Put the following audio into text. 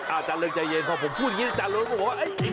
อาจารย์เริงใจเย็นพอผมพูดอย่างนี้อาจารย์เริงก็บอกว่า